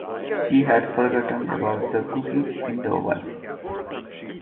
She had forgotten about the cookies in the oven.